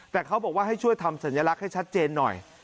แต่เขาบอกว่าให้ช่วยทำสัญลักษณ์ให้ชัดเจนหน่อย